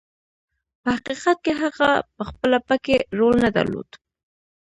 په حقیقت کې هغه پخپله پکې رول نه درلود.